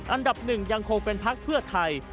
อันดับหนึ่งยังคงเป็นพักเพื่อไทย